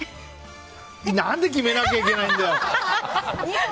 何で決めなきゃいけないんだよ！